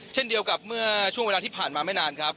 เช่นเดียวกับเมื่อช่วงเวลาที่ผ่านมาไม่นานครับ